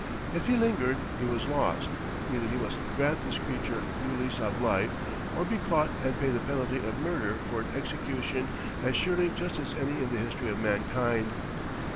If he lingered, he was lost. Either he must grant this creature new lease of life, or be caught and pay the penalty of murder for an execution as surely just as any in the history of mankind.